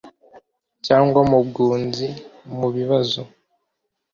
cyangwa mu bwunzi mu bibazo